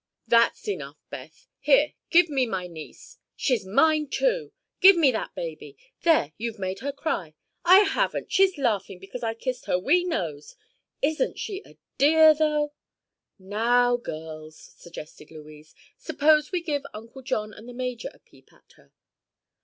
"That's enough, Beth. Here—give me my niece!" "She's mine, too." "Give me that baby! There; you've made her cry." "I haven't; she's laughing because I kissed her wee nose." "Isn't she a dear, though?" "Now, girls," suggested Louise, "suppose we give Uncle John and the major a peep at her."